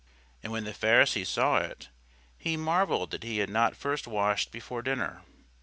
And when the Pharisee saw it, he marvelled that he had not first washed before dinner.